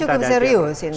jadi cukup serius ald yoga